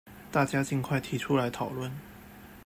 大家儘快提出來討論